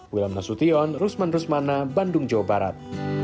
wilam nasution rusman rusmana bandung jawa barat